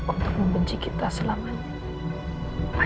untuk membenci kita selamanya